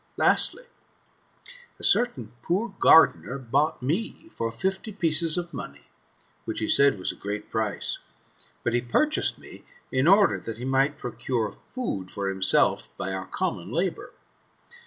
Lastly ; a certain poor gardener bought me for fifty pieces of money, which he said was a great price; but he purchased me in order that he might procure food for himself by our common labour.